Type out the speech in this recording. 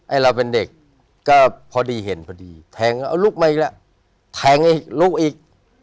เราเป็นเด็กก็พอดีเห็นพอดีแทงเอาลูกมาอีกแล้วแทงอีกลูกอีก